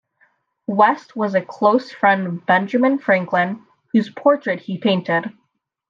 West was a close friend of Benjamin Franklin, whose portrait he painted.